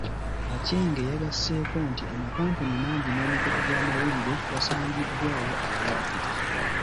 Aceng yagasseeko nti, amakampuni mangi n’emikutu gy’amawulire wasangiddwayo abalwadde.